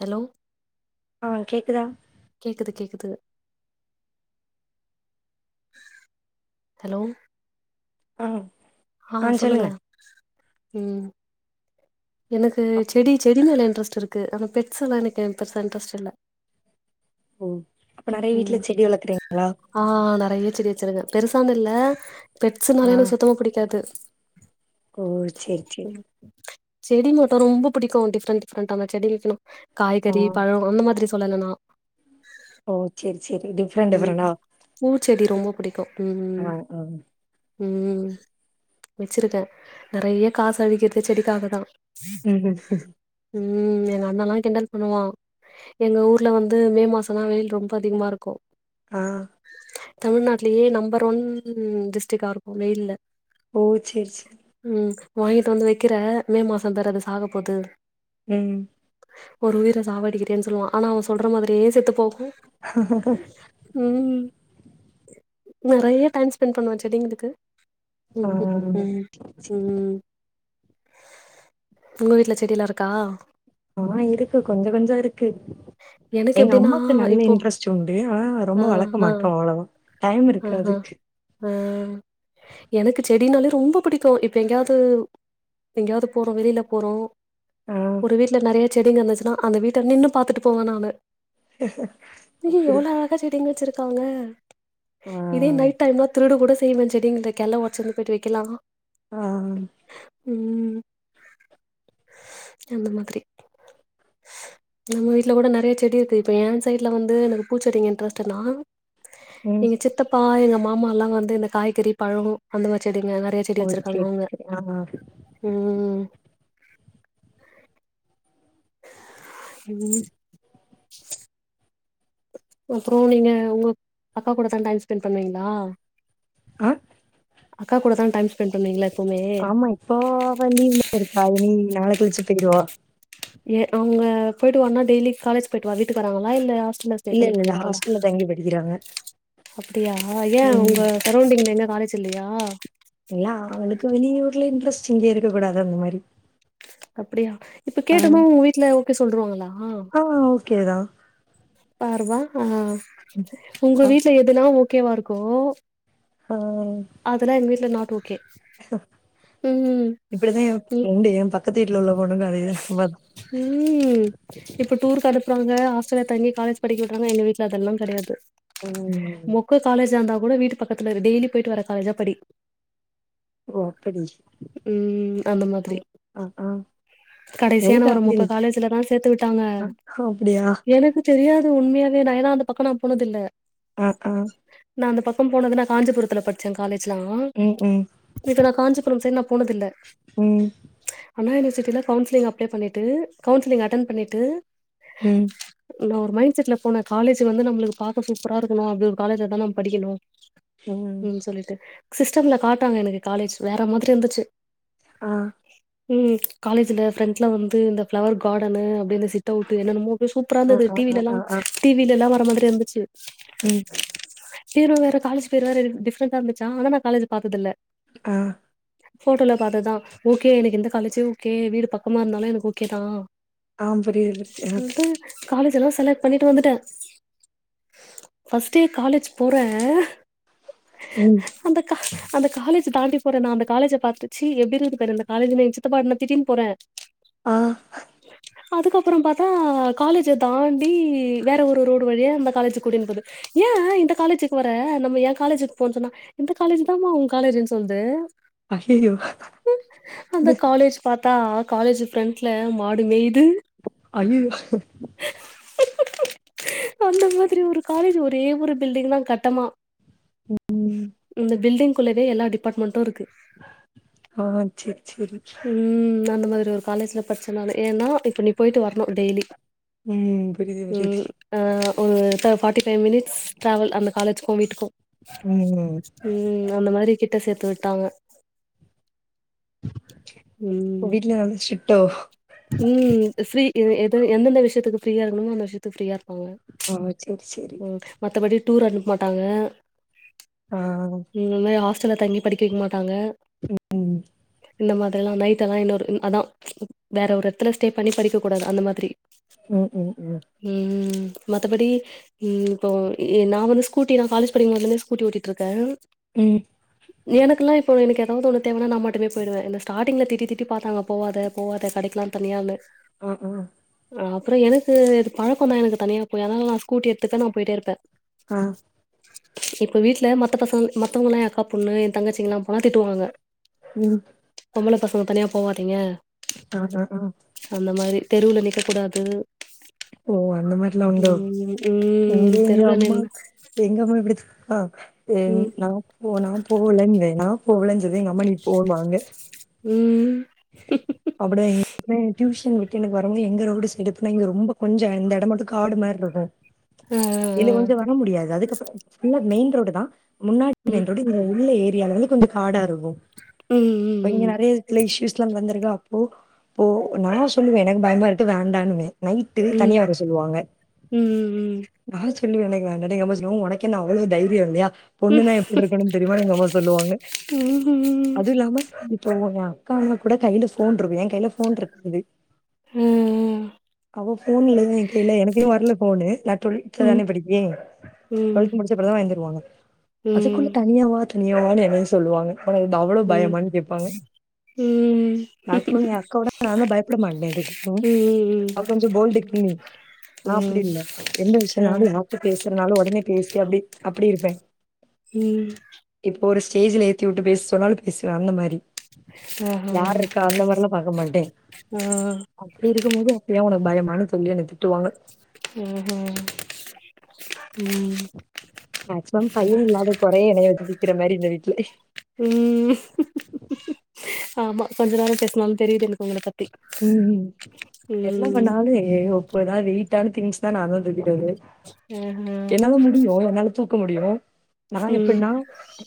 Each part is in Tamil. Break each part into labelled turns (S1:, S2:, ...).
S1: ஹலோ
S2: ஆ கேக்குதா
S1: கேக்குது கேக்குது ஹலோ
S2: ம்
S1: ஆ சொல்லுங்க ம் எனக்கு செடி செடி மேல இன்ட்ரெஸ்ட் இருக்கு ஆனா பெட்ஸ்ல்லா எனக்கு பெருசா இன்ட்ரெஸ்ட் இல்ல
S2: ஓ நெறைய வீட்ல
S1: ம்
S2: செடி வளக்குறீங்களா
S1: ஆ நெறையா செடி வச்சிருங்கே பெருசா ஒன்னு இல்ல
S2: ஆ
S1: பெட்ஸ்ன்னாலே எனக்கு சுத்தமா புடிக்காது
S2: ஓ சேர் சேரி
S1: ம், செடி மட்டு ரொம்ப புடிக்கு டிஃப்ரெண்ட் டிஃப்ரெண்டான செடி வெக்கணு
S2: ஆ
S1: காய்கறி, பழோ அந்த மாதிரி சொல்லல நா
S2: ஓ சேரி சேரி டிஃப்
S1: ம் பூச்செடி ரொம்ப புடிக்கு ம்
S2: ஆ
S1: ம்
S2: ஆ
S1: ம் ம் வெச்சிருக்கே நெறைய காஸ் அழிக்கறது செடிக்காக தா
S2: ம்
S1: ம் எங்க அண்ணல்லா கிண்டல் பண்ணுவா எங்க ஊர்ல வந்து மே மாசோல்லா வெயில் ரொம்ப அதிகமாருக்கு
S2: ஆ
S1: தமிழ்நாட்லயே நம்பர் ஒன் டிஸ்ட்ரிக்கா இருக்கு வெயில்ல
S2: ஓ சேர் சேரி
S1: ம் வாங்கிட்டு வந்து வெக்கிற மே மாசோ தரே அது சாக போது
S2: ம்
S1: ஒரு உயிர சாவாடிக்கிறயேனு சொல்லுவா ஆனா அவ சொல்ற மாதிரியே செத்து போகு
S2: ஆஹ
S1: ம் நெறைய டைம் ஸ்பெண்ட் பண்ணுவே செடிங்களுக்கு
S2: ஆ
S1: ம் ம் ம் ம் உங்க வீட்ல செடில்லா இருக்கா
S2: ஆ இருக்கு கொஞ்ச கொஞ்சோ இருக்கு
S1: எனக்கு
S2: எங்க
S1: எப்டின்னா
S2: அம்மாக்கு நல்ல
S1: இப்போ
S2: இன்ட்ரெஸ்ட் உண்டு ஆனா
S1: ஆ,
S2: ரொம்ப வளக்க
S1: ஆ,
S2: மாட்டோ அவ்ளோல்லா டைம் இருக்காது
S1: அ எனக்கு செடினாலே ரொம்ப புடிக்கு இப்ப எங்கயாவ்து எங்கயாவ்து போறோ வெளில போறோ
S2: ஆ
S1: ஒரு வீட்ல நெறைய செடிங்க இருந்துச்சுன்னா அந்த வீட்ட நின்னு பாத்துட்டு போவ நானு ம் ம்
S2: அப்டி
S1: எவ்ளோ அழகா செடிங்க வெச்சிருக்காங்க
S2: ஆ
S1: இதே நைட் டைம்னா திருட கூட செய்வே செடிங்கள்து கெள ஒட்ச்சினு போய்ட்டு வெக்கலா
S2: ஆ
S1: ம் அந்த மாதிரி நம்ம வீட்ல கூட நெறையா செடி இருக்கு இப்ப ஏ சைட் ல வந்து எனக்கு பூச்செடி இன்ட்ரெஸ்ட்டுனா
S2: ம்
S1: எங்க சித் தப்பா எங்க மாமால்லா வந்து இந்த காய்கறி, பழோ அந்த மாரி செடிங்க நெறையா செடி
S2: ஓ
S1: வெச்சிருக்காங்க
S2: சேரி
S1: அவுங்க
S2: சேரி ஆ
S1: ம் ம் அப்றோ நீங்க உங்க அக்கா கூட தா டைம் ஸ்பெண்ட் பண்ணுவீங்ளா
S2: ஆ
S1: அக்கா கூட தா டைம் ஸ்பெண்ட் பண்ணுவீங்ல?
S2: ஆமா இப்போ அவ லீவ்ல இருக்கறா இனி நாள கழிச்சு போயிருவா
S1: ஏ அவுங்க போயிடுவான்னா டெய்லி காலேஜ் போயிட்டு வா வீட்டுக்கு வராங்களா இல்ல ஹாஸ் இன்னு ஸ்டே
S2: இல்ல, இல்ல, இல்ல
S1: பண்ணிட்ருக்குறாங்களா
S2: ஹாஸ்டல்ல தங்கி படிக்கிறாங்க.
S1: அப்படியா ஏ
S2: ம்.
S1: உங்க சரௌண்டிங்ல என்ன காலேஜ் இல்லையா
S2: இல்ல அ அவளுக்கு வெளி ஊருல இன்ட்ரெஸ்டு இங்க இருக்ககூடாது அந்மாரி
S1: அப்படியா இப்ப கேட்டது உங்க வீட்ல ஓகே சொல்ருவாங்களா
S2: ஆ ஓகே தா
S1: பாருபா ஆ உங்க
S2: அ
S1: வீட்ல எதனாவு ஓகேவாருக்கோ
S2: ஆ
S1: அதுலா எங் வீட்ல நாட் ஓகே ம்
S2: இப்படிதா எ
S1: ம்
S2: ஃப்ரெண்டு எ பக்கத்து வீட்ல உள்ள பொண்ணுக்கு அதேதா ப
S1: ம் இப்ப டூருக்கு அனுப்புறாங்க ஹாஸ்டல்ல தங்கி காலேஜ் படிக்க விட்றாங்க எங்க வீட்ல அதெல்லா கெடையாது
S2: ம் ம்
S1: கு காலேஜா இந்தா கூட வீட்டு பக்கத்துல இரு டெய்லி போய்ட்டு வர காலேஜா படி
S2: ஓ! அப்படி.
S1: ம் அந்த
S2: அ,
S1: மாதிரி
S2: அ, ஆ.
S1: கடைசி யான
S2: எனக்கு
S1: ஒரு
S2: அப்படி
S1: மொக்க காலேஜில தா சேத்து விட்டாங்க
S2: அ அப்படியா?
S1: எனக்கு தெரியாது உண்மையாவே நா ஏன்னா அந்த பக்கோ நா போனதில்ல
S2: ஆ ஆ
S1: நா அந்த பக்கம் போனதுனா காஞ்சிபுரத்துல படி காலேஜ்லா
S2: ம், ம்,
S1: இப்ப நா காஞ்சிபுரம் சைட் நா போனதில்ல
S2: ம்,
S1: அண்ணா யூனிவர்சிட்டில கவுன்சிலிங் அப்ளை பண்ணிட்டு கவுன்சிலிங் அட்டன் பண்ணிட்டு
S2: ம்
S1: நா ஒரு மைண்ட்செட்ல போன காலேஜி வந்து நம்ளுக்கு பாக்க சூப்பரா இருக்கணு அப்டி ஒரு காலேஜ்லதா நாம் படிக்கணு ம் சொல்லிட்டு சிஸ்டம்ல காட்ராங்க எனக்கு காலேஜ் வேற மாதிரி இருந்துச்சு
S2: ஆ
S1: ம் காலேஜில ஃப்ரெண்ட்ஸ்லா வந்து இந்த ஃப்ளவர் காடனு அப்டே இந்த சி தவ்ட்டு என்ன்னமோ சூப்பரா
S2: அ,
S1: இருந்தது
S2: அ, அ,
S1: டிவில எல்லா
S2: அ, அ.
S1: டிவில எல்லா வர மாதிரி இருந்துச்சு
S2: ம்.
S1: பேரு வேற காலேஜு பேரு வேற டிஃப்ரெண்டா இருந்துச்சா ஆனா நா காலேஜு பாத்ததில்ல
S2: ஆ
S1: போட்டோல பாத்தத்தா ஓகே எனக்கு இந்த காலேஜே ஓகே வீடு பக்கமா இருந்தாலு எனக்கு ஓகே தா
S2: ஆம் புரியிது எனக்
S1: சொல்ட்டு காலேஜ் எல்லா செலக் பண்ணிட்டு வந்துட்டே ஃபஸ்ட் டே காலேஜ் போற
S2: ம்
S1: அந்த கா அந்த காலேஜி தாண்டி போற நா அந்த காலேஜ பாத்து சீ எப்டி இருக்குதுபாரு இந்த காலேஜினு எங் சித்தப்பாட் நா திட்டின் போறே
S2: ஆ
S1: அதுக்கப்புறம் பாத்தா காலேஜ தாண்டி வேற ஒரு ரோ டு வழியா அந்த காலேஜிக் கூட்டின்போது ஏ இந்த காலேஜிக் வர நம்ம எ காலேஜிக் போன் சொன்னா இந்த காலேஜ் தா மா உ காலேஜின் சொல்து
S2: அய்யய்யோ!
S1: அந்த காலேஜ் பாத்தா காலேஜு ஃப்ரென்ட்ல மாடு மேயிது
S2: ஐயியோ
S1: அந்த மாதிரி ஒரு காலேஜு ஒரே ஒரு பில்டிங் தா கட்டமா
S2: ம்.
S1: இந்த பில்டிங்குள்ளவே எல்லா டிபாட்மெண்டுருக்கு
S2: ஆ சரி, சரி.
S1: ம் அந்த மாரி இது ஒரு காலேஜ்ல படிச்சனால ஏனா இப்ப நீ போயிட்டு வரனு டெய்லி
S2: ம் புரிது புரிது
S1: அ ஒரு த்தெ ஃபார்ட்டி ஃபைவ் மினிட்ஸ் ட்ராவல் அந்த காலேஜுக்கு வீட்டுக்கு
S2: ம் ம்
S1: ம் அந்த மாரி கிட்ட சேத்து விட்டாங்க
S2: அப்ப
S1: ம்
S2: வீட்ல நல்ல ஸ்ட்ரிட்டோ
S1: ம் ஃப்ரீ எ எது எந்தெந்த விஷ்யத்துக்கு ஃப்ரீயா இருக்கணுமோ அந்த விஷ்யத்துக்கு ஃப்ரீயா இருப்பாங்க
S2: ஆ சேரி சேரி
S1: ம் மத்தபடி டூர் அனுப் மாட்டாங்க
S2: ஆ
S1: ம் இந்த மாரி ஹாஸ்டல்ல தங்கி படிக்க வைக்க மாட்டாங்க
S2: ம்.
S1: இந்த மாதிரில்லா நைட் எல்லா இன்னொரு அதா வேற ஒரு எடத்துல ஸ்டே பண்ணி படிக்க கூடாது அந்த மாதிரி
S2: ம் ம் ம்
S1: ம் மத்தபடி ம் இப்போ நா வந்து ஸ் கூட்டி நா காலேஜ் படிக்கும்போதுலந்தே ஸ்கூட்டி ஓட்டிட்டு இருக்கேன்
S2: ம்
S1: எனக்கெல்லா இப்போ எனக்கு எதாவது ஒன்னு தேவனா நா அம்மாட்ட மட்டுமே போயிடுவேன் என்ன ஸ்டாடிங்ல் திட்டி திட்டி பாத்தாங்க போவாத போவாத கடைக்கல்லா தனியானு
S2: அ அ
S1: அ அப்றோ எனக்கு இது பழக்கோந்தா எனக்கு தனியா போய் அதனால நா ஸ்கூட்டி எடுத்துப்ப நா போயிட்டே இருப்ப
S2: ஆ
S1: இப்ப வீட்ல மத்த பசங்க மத்தவங்கல்லா என் அக்கா பொண்ணு என் தங்கச்சிங்கல்லா போனா திட்டுவாங்க
S2: ம்
S1: பொம்பள பசங்க தனியா போவாதீங்க
S2: ஆ ஆ ஆ
S1: அந்த மாரி தெருவுல நிக்க கூடாது
S2: ஓ அந்த மாரில்லா உண்டா
S1: ம்
S2: இங்க
S1: ம்
S2: எங்க
S1: தெருவுல நின்னு
S2: அம்மாக் எங்கம்மா எப்டி சொல்னா எங்
S1: ம்
S2: நா போ நா போகலன்னுவ நா போகலுனு சொல்வேன் எங்க அம்மா நீ போவாங்க
S1: ம் [unintelligible]
S2: அப்டிதா இங்கமே டியூஷன் விட்டு எனக்கு வரும்போது எங்க ரோடு சைடு போனா இங்க ரொம்ப கொஞ்சோ இந்த எடோ மட்டு காடு மாரி இருக்கு [unintelligible]
S1: அ
S2: இது கொஞ்சோ வர முடியாது அதுக்கப்றோ ஃபுல்லா மெயின் ரோடுதா முன்னாடி
S1: ம்
S2: மெயின் ரோடு உள்ள ஏரியால வந்து கொஞ்சோ காடா இருக்கு
S1: ம்
S2: அப்ப இங்க
S1: ம்
S2: நெறயா எடத்துல ஷ்யூஷ் ல்லா வந்திருக்கா அப்போ போ நா சொல்லுவேன் எனக்கு பயமாருக்கு வேண்டானுவேன் நைட்டு
S1: ம்
S2: தனியா வர சொல்லுவாங்க
S1: ம் ம்
S2: நான் சொல்லுவன் எனக்கு வேண்டாட்டு எங்க அம்மா சொல்லுவாங்க உனக்கென்ன அவ்ளோ தைரியோ இல்லயா பொண்ணுனா எப்டி இருக்கணுனு தெரியுமானு எங்க அம்மா சொல்லுவாங்க
S1: ம் ம் ம்
S2: அது இல்லாம இப்போ உன்ன அக்கானா கூட கைல ஃபோன்றுருக்கு என் கைல ஃபோன்றுருக்குது
S1: ம் ம்
S2: அவ ஃபோனு இல்ல என் கைல எனக்கு இன்னு வர்ல ஃபோனு நா
S1: ம் ம்
S2: டுவெல்த்துதானே படிப்பே
S1: ம்
S2: [unintelligible] கூட வாங்கிர்வாங்க
S1: ம்
S2: அதுக்குள்ள தனியாவா தனியாவானு என்னய சொல்லுவாங்க ஆனா இது அவ்ள
S1: ம் ம் ம்
S2: மேக்ஸிமம் ஏ அக்காவோட நாதா பயப்பட மாட்டே எதுக்கு
S1: ம்
S2: அவ கொஞ்சோ போல்டு கிங் நா அப்டி
S1: ம்
S2: இல்ல எந்த
S1: ஆ
S2: விஷயனாலு நா இப்ப பேசுறனாலு ஒடனே பேசி அப்டி அப்டி இருப்பே
S1: ம்
S2: இப்ப ஒரு ஸ்டேஜுல ஏத்தி வுட்டு பேச சொன்னாலு பேசுவே அந்த மாரி
S1: ஆஹா
S2: யார்ருக்கா அந்த மாரிலா பாக்க மாட்டே
S1: ஆ
S2: அப்டி இருக்கும்போது அப்டியா ஒனக்கு பயமானு சொல்லி என்ன திட்டுவாங்க
S1: ம் ம்
S2: மேக்சிமம் பையே இல்லாத கொறைய எனய வச்சு தீக்குற மாரி இந்த வீட்ல
S1: ம் ஆமா கொஞ்ச நேரோ பேசுனாலு தெரிது எனக்கு உங்கள பத்
S2: ம் என்ன பண்ணாலு ஐயோ இப்போ ஏதாவது வெயிட்டான திங்ஸ்னா நாதா தூக்கி ட்டு வருவே
S1: ஆஹா
S2: என்னால முடியு என்னால தூக்க முடியு நா
S1: ம்
S2: எப்பின்னா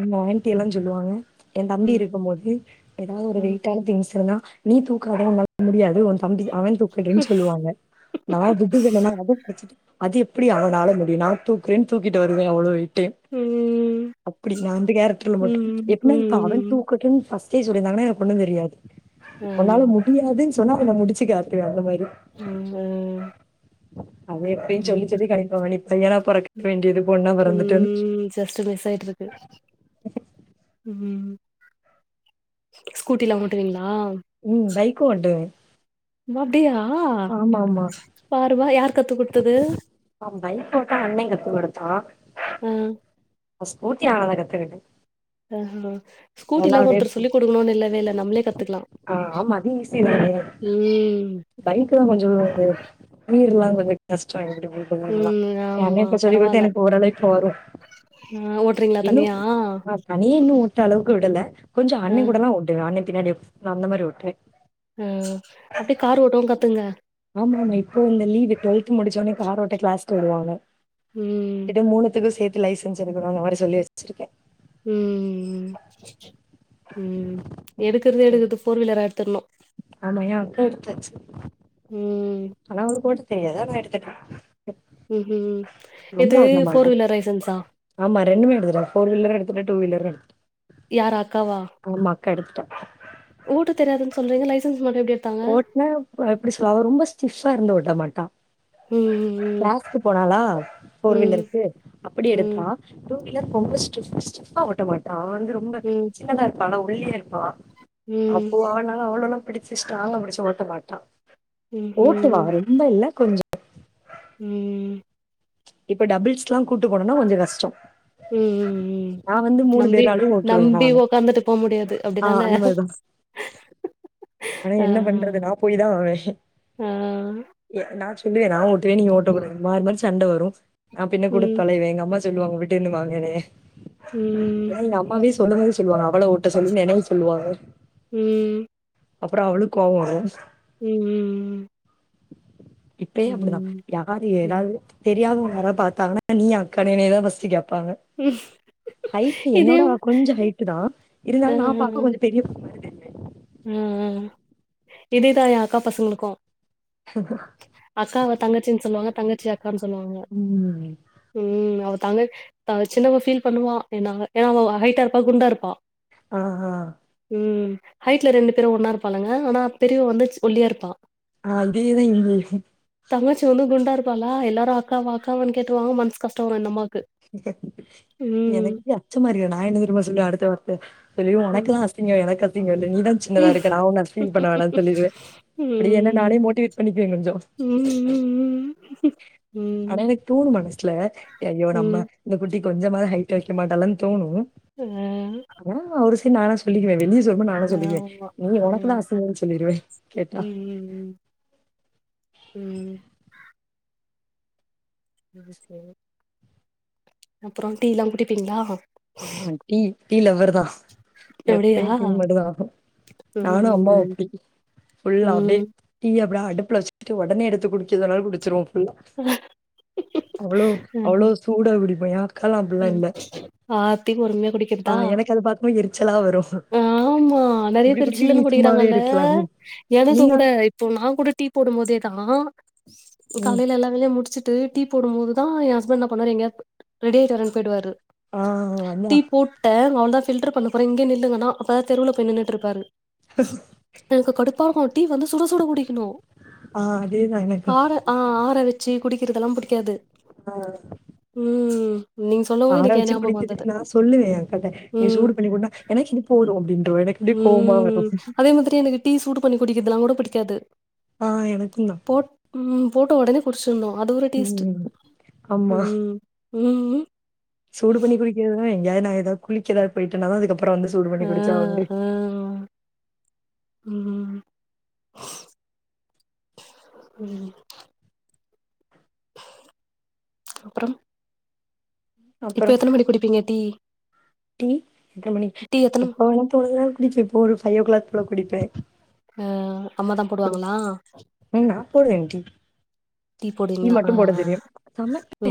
S2: எங்க ஆண்டி எல்லா சொல்லுவாங்க எ தம்பி
S1: ம்
S2: இருக்கும் போது ஏதாவது ஒரு
S1: ம்
S2: வெயிட்டான திங்ஸ் இருந்தா நீ தூக்காத ஒன்னால முடியாது உன் தம்பி அவெ தூக்குடீன்னு சொல்லுவாங்க நா விடுவேணா நா அடம் புடிச்சிட்டு அது எப்டி அவனால முடியு நா தூக்குறேன் தூக்கிட்டு வருவே அவ்ளோ வெயிட்டையு
S1: ம்
S2: அப்டி நா வந்து கேரக்டர்ல மட்டு
S1: ம்
S2: எப்டினா இப்ப அவெ
S1: ம்
S2: தூ கட்டூனு ஃபர்ஸ்டே சொல்லிருந்தாங்கனா எனக்கு ஒன்னு தெரியாது
S1: ஆமா
S2: என்னால முடி முடியாதுனு சொன்னா அத நா முடுச்சு காட்டுவே அந்த மாரி
S1: ம்
S2: அது எப்பயு
S1: ம்
S2: சொல்லி சொல்லி கணிப்பாவொ நீ பையனா பொறக்க வேண்டியது பொண்ணா பொறந்துட்டனு
S1: ஜஸ்டு மிஸ் ஆய்ட்டுருக்கு ம் ஸ்கூட்டிலா ஓட்டுவிங்ளா
S2: ம் பைக்கு ஓட்டுவே
S1: ம அப்டியா
S2: ஆமா ஆமா
S1: பாருவா யார் கத்து குடுத்தது
S2: ஆ பைக் ஓட்ட அண்ணே கத்து குடுத்தா
S1: அ
S2: அ ஸ்கூட்டி நானாதா கத்துக்கிட்டே
S1: அ
S2: அதெல்லா
S1: ஸ்கூட்டில்லா
S2: அப்டியே
S1: ஒருத்தர் சொல்லி குடுக்கணு இல்லவே இல்ல நம்மளே கத்துக்லா
S2: ஆ ஆமா
S1: ம் ம்
S2: பைக்கு தா கொஞ்சோ எனக்கு கீர்ல்லா கொஞ்சோ கஷ்டோ எப்டி பண்றதலா
S1: ம்
S2: ஏ அண்ணே
S1: ஆமா
S2: இப்ப சொல்லி
S1: பரவால்ல
S2: குடுத்து எனக்கு ஓரளவுக்கு இப்ப வரு
S1: ஆ ஓட்றீங்களா
S2: இன்னு
S1: தனியா
S2: நா தனியா இன்னு ஓட்ட அளவுக்கு விடல கொஞ்சோ
S1: ஆ
S2: அண்ணே கூடலா ஓட்டுவே அண்ணே பின்னாடி அந்த மாரி ஓட்டுவே
S1: ம் அப்டியே கார் ஓட்டவு கத்துகங்க
S2: ஆமா ஆமா இப்போ இந்த லீவு டுவெல்த் முடிச்சோனே காரோட்ட கிளாஸ்க்கு விடுவாங்க
S1: ம்
S2: கிட்ட மூணுத்துக்கு சேத்து லைசன்ஸ் எடுக்கணு மாரி சொல்லி வச்சுருக்கே
S1: ம் ம் ம் எடுக்குறது எடுக்குறது ஃபோர்வீலரா எடுத்தர்னு
S2: ஆமா ஏ அக்கா எடுத்தாச்சு
S1: ம்
S2: ஆனா அவளுக்கு ஓட்ட தெரியாது ஆனா எடுத்துட்டா
S1: ம்
S2: ரொம்ப
S1: எது
S2: ஓட்ட மாட்டா
S1: ஃபோர் வீலர் லைசன்ஸா
S2: ஆமா ரெண்டுமே எடுத்துட்டா ஃபோர் வீலரு எடுத்துட்டா டூ வீலரு எடுத்துடா
S1: யாரு அக்காவா
S2: போமா அக்கா எடுத்துட்டா
S1: ஓட்ட தெரியாதுன் சொல்றீங்க லைசன்ஸ் மட்டு எப்டி எடுத்தாங்க
S2: ல ப்ப எப்டி சொல்ல அவ ரொம்ப ஸ்டிஃப்ஸா இருந்து ஓட்ட மாட்டா
S1: ம் ம் ம்
S2: க்கு போனாளா ஃபோர் வீலருக்கு அப்டி
S1: ம்
S2: எடுத்தா டூ வீலர் ரொம்ப ஸ்டிஃப் ஸ்டிஃப்பா ஓட்ட மாட்டா அவ வந்து ரொம்ப
S1: ம்
S2: சின்னதா இருப்பால ஒல்லியா இருப்பா
S1: ம் ம்
S2: அப்போ அவளால அவ்ளோலா டி ஸ்ட்ராங்கா புடிச்சு ஓட்ட மாட்டா ஓட்டுவா
S1: ம்ஹும்
S2: ரொம்ப இல்ல கொஞ்சொ
S1: ம்
S2: இப்ப டபுள்ஸ்லா கூட்டு போனனா கொஞ்சொ கஷ்டோ
S1: ம் ம் ம் ம் நம்பி
S2: பேராலயும் ஓட்டுவேன்
S1: நம்பி
S2: நானு.
S1: ஒக்காந்துட்டு போ முடியாது
S2: ஆ
S1: அப்டிதான
S2: அந்த மாரிதான். ஆனா
S1: ஆ
S2: என்ன பண்றது நா போயிதா ஆவே
S1: ஆ
S2: எ நா சொல்லுவே நா ஓட்டுவே நீங்க ஓட்டக்கூடாது மாரி மாரி சண்ட வரு நா பின்ன
S1: ம்
S2: குடுத்தொலைவே எங்க அம்மா சொல்லுவாங்க விட்டுனு வாங்கனு
S1: ம்
S2: ஏனா எங்க அம்மாவே சொல்லுபோதே சொல்லுவாங்க அவள ஓட்ட சொல்லுனு நெனவு சொல்லுவாங்க
S1: ம்
S2: அப்றோ அவளுக் கோவோ வரு
S1: ம் ம்
S2: இப்பயே அப்டிதா
S1: ம்.
S2: யார்
S1: ம்.
S2: ஏதாவது தெரியாதவுங்க யாராது பாத்தாங்கனா நீயா அக்கானு எனையதா ஃபஸ்ட்டு கேப்பாங்க ஹைட்
S1: இதே
S2: என்னோட அவ கொஞ்சோ ஹைட்டுதா
S1: அ
S2: இருந்தாலு நா பாக்க கொஞ்சோ பெரிய பொண்ணு மாரி தெரியு
S1: ம் ம் இதேதா எ அக்கா பசங்களுக்கு
S2: ஹ
S1: அக்காவ தங்கச்சின் சொல்வாங்க தங்கச்சிய அக்கான் சொல்வாங்க
S2: ம்
S1: ம் அவ தங்க த சின்னவ ஃபீல் பண்ணுவா என்னாங்க ஏனா அவ ஹைட்டா இருப்பா குண்டா இருப்பா
S2: ஆ ஹ
S1: ம் ஹைட்ல ரெண்டு பேரு ஒன்னா இருப்பானுங்க ஆனா பெரியவ வந்து சி ஒல்லியா இருப்பா
S2: அதேதா இங்கையு
S1: தங்கச்சி வந்து குண்டா இருப்பாளா எல்லாரு அக்காவா அக்காவான்னு கேட்டுருவாங்க மனசு கஷ்டமா இந்தம்மாவுக்கு
S2: எனக்கு இப்டி அச்சமறியு நா என்ன தெரியுமா சொல்லுவ அடுத்த வார்த்த அயயோ
S1: ம்.
S2: எனக்குலா அச் சிங்கோ எனக்கு அசிங்கோ இல்ல நீதா சின்னதா
S1: ம்.
S2: இருக்க நா ஒன்னு ஃபீல் பண்ண வேணானு சொல்லிடுவே அப்டி என்ன நானே
S1: ம்.
S2: மோட்டிவேட் பண்ணிக்குவே கொஞ்சொ
S1: ம்.
S2: ஆனா
S1: ம்.
S2: எனக் தோணு மனசுல எ ஐயோ நம் ம
S1: ம்.
S2: இந்த குட்டி கொஞ்சமாது ஹைட் வைக்க மாட்டாலன் தோணு
S1: துவ
S2: மொணங்குவா ஒரு சைடு நானா சொல்லிக்குவே வெளிய சொல் மாட் நானா சொல்லிக்வே
S1: ஆமா.
S2: நீங்க
S1: ம்.
S2: ஒனக்குதா அசிங்கோன் சொல்லிருவே கேட்டா
S1: ம் ம் ம் [unintelligible] அப்றோ டீல்லா குட்டிப்பீங்ளா
S2: ஆஹ டீ டீ லவ்வர்தா
S1: அப்படியா
S2: எப்பயு டீ மட்டுந்தா ஆகு
S1: ம்
S2: நானு
S1: ம்
S2: அம்மாவு
S1: ம்
S2: அப்டி ஃபுல்லா அப்டியே
S1: ம்
S2: டீ அப்பட அடுப்புல வச்சுக்ட்டு ஒடனே எடுத்து குடிக்க சொனாலு குடிச்சிருவோ அவ்ளோ
S1: அ
S2: அவ்ளோ சூடா குடிப்போ யார்
S1: ம் ஆத்தி பொறுமையா குடிக்
S2: ஆ
S1: கதா
S2: எனக்கு அத பார்க்கும்போது எரிச்சலா வரும்.
S1: ஆமா நெறைய
S2: இப்படி
S1: பேரு
S2: குடிக்க நீ
S1: சில்லுனு
S2: சும்மாவே
S1: குடிக்கிறாங்கல்ல
S2: இருக்கலாம்.
S1: எனக்கு
S2: நீங்க
S1: கூட இப்போ நா கூட டீ போடும் போதே தா
S2: ம்.
S1: கலையில எல்லா வேலயு முடுச்சுட்டு டீ போடும் போதுதா ஏ ஹஸ்பண்ட் என்ன பண்ணுவாரு எங்கயாது ரெடி ஆயிட்டு வரேனு போயிடுவாரு
S2: ஆ அன்யா
S1: டேங்க் வந்தா ஃபில்ட்ரு பண்ண போறே இங்கே நில்லுங்கனா அப்பதா தெருவில்ல போய் நின்னுட்ருப்பாரு எனக்கு கடுப்பா இருக்கு டீ வந்து சுட சுட குடிக்கணு
S2: ஆ அதேதா எனக்கு
S1: ஆற ஆ ஆற வச்சு குடிக்கிறதெல்லா புடிக்காது
S2: அ
S1: ம் நீங்க சொல்லவும்
S2: ஆற
S1: எனக்கு என்
S2: வச்சு
S1: ஞாபகம் வந்தது.
S2: குடிச்சதுக்கு நா சொல்லுவே ஏ அக்காட்ட ஏ
S1: ம்,
S2: சூடு பண்ணி குடினா எனக்கு இது போது அப்டின்றுவா எனக்கு அப்டியே கோவமா வரும்.
S1: ம் அதே மாரி எனக்கு டீ சூடு பண்ணி குடிக்கற்துல்லா கூட புடிக்காது
S2: ஆ எனக்குந்தா
S1: போட் ம் போட்ட ஒடனே குடுச்சிர்னு அது ஒரு டேஸ்ட்
S2: ம்.
S1: ம் ம் ம்
S2: சூடுபண்ணி குடிக்கிறதுனா எங்கேயாது நா எதாவது குளிக்க எதாவது போயிட்டன தா அதுக்கப்பறோ வந்து சூடு பண்ணி
S1: ஆ,
S2: குடுச்சா உண்டு
S1: ஆ. ம், ம் அப்பறம்
S2: அப்புறம்
S1: குடிப்பீங்க டீ?
S2: டீ எத்தன மணி
S1: டீ எத்தன
S2: எப்ப வேணா தோணுதோ வீட்ல ஃபோரோ ஃபையோ க்ளாக் போல குடிப்பே
S1: ஆ அம்மா தான்
S2: புடுச்
S1: போடுவாங்களா?
S2: ம் நா போடுவே டீ டீ
S1: போடுவீங்களா? ஆ,
S2: மட்டு போட
S1: ஆ.
S2: தெரியு ச மை
S1: ம்.
S2: க்கே